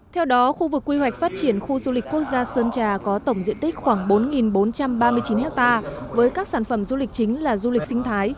theo đó khu vực quy hoạch phát triển khu du lịch quốc gia sơn trà có tổng diện tích khoảng bốn bốn trăm ba mươi chín ha với các sản phẩm du lịch chính là du lịch sinh thái